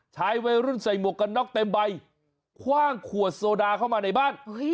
ชายวัยรุ่นใส่หมวกกันน็อกเต็มใบคว่างขวดโซดาเข้ามาในบ้าน